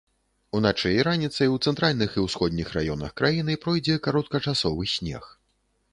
Уначы і раніцай у цэнтральных і ўсходніх раёнах краіны пройдзе кароткачасовы снег.